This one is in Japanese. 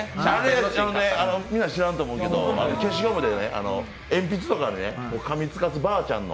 みんな知らんと思うけど、消しゴムで鉛筆とかかみつかすばーちゃんの。